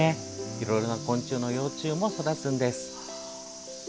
いろいろな幼虫も育つんです。